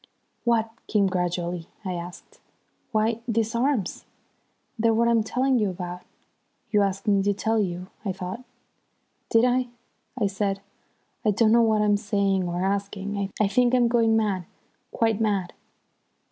"What came gradually?" I asked. "Why, these arms! They're what I'm telling you about. You asked me to tell you, I thought?" "Did I?" I said. "I don't know what I'm saying or asking. I think I'm going mad, quite mad."